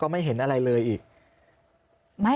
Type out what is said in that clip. มันเป็นแบบที่สุดท้าย